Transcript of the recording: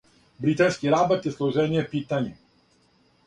Британски рабат је сложеније питање.